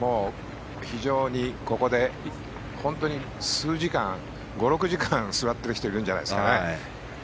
ここで本当に数時間５６時間座ってる人いるんじゃないですかね。